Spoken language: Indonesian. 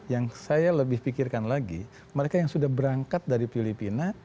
yang saya lebih pikirkan lagi mereka yang sudah berangkat dari filipina